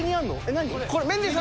何？